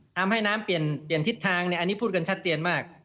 ทำให้น้ำเปลี่ยนทิศทางอันนี้พูดกันชัดเจนมาก